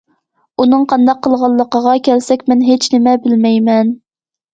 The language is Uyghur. ئۇنىڭ قانداق قىلغانلىقىغا كەلسەك مەن ھېچنېمە بىلمەيمەن.